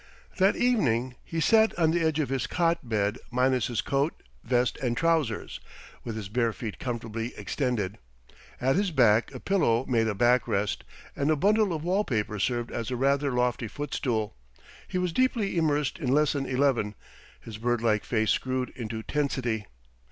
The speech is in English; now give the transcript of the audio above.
That evening he sat on the edge of his cot bed minus his coat, vest, and trousers, with his bare feet comfortably extended. At his back a pillow made a back rest, and a bundle of wall paper served as a rather lofty footstool. He was deeply immersed in Lesson Eleven, his bird like face screwed into tensity.